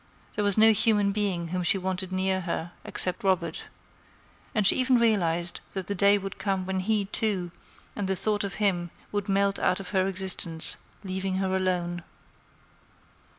There was no human being whom she wanted near her except Robert; and she even realized that the day would come when he, too, and the thought of him would melt out of her existence, leaving her alone.